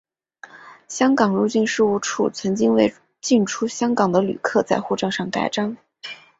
香港入境事务处曾经为进出香港的旅客在护照上盖章。